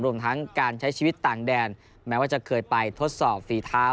รวมทั้งการใช้ชีวิตต่างแดนแม้ว่าจะเคยไปทดสอบฝีเท้า